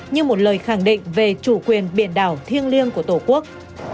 như một lời khẳng định về chủ quyền biển đảo thiêng liêng của tổ quốc